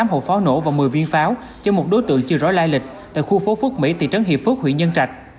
tám hộp pháo nổ và một mươi viên pháo cho một đối tượng chưa rõ lai lịch tại khu phố phước mỹ thị trấn hiệp phước huyện nhân trạch